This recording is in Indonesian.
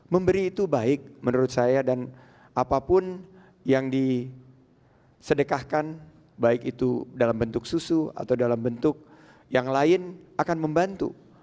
memberi itu baik menurut saya dan apapun yang disedekahkan baik itu dalam bentuk susu atau dalam bentuk yang lain akan membantu